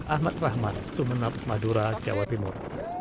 ahmad rahman sumeneb madura jawa timur